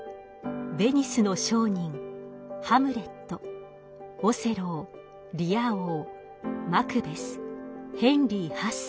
「ヴェニスの商人」「ハムレット」「オセロー」「リア王」「マクベス」「ヘンリー八世」。